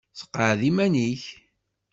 Seqɛed iman-ik.